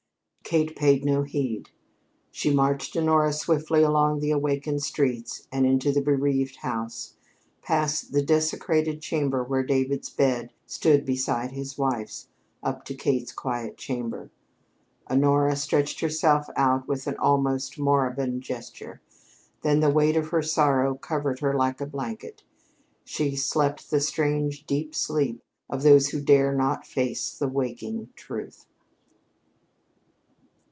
Kate paid no heed. She marched Honora swiftly along the awakened streets and into the bereaved house, past the desecrated chamber where David's bed stood beside his wife's, up to Kate's quiet chamber. Honora stretched herself out with an almost moribund gesture. Then the weight of her sorrow covered her like a blanket. She slept the strange deep sleep of those who dare not face the waking truth.